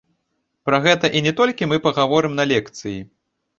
Пра гэта і не толькі мы пагаворым на лекцыі.